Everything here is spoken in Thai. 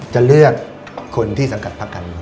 จะเลือกคนที่สังกัดพักกัน